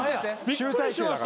集大成だから。